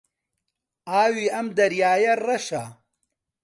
ئاوی ئەم دەریایە ڕەشە.